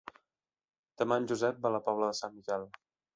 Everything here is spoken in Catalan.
Demà en Josep va a la Pobla de Sant Miquel.